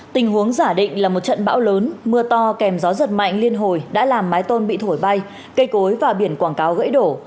tình huống giả định là một trận bão lớn mưa to kèm gió giật mạnh liên hồi đã làm mái tôn bị thổi bay cây cối và biển quảng cáo gãy đổ